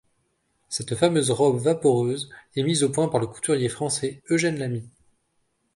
Cette fameuse robe vaporeuse est mise au point par le couturier français Eugène Lami.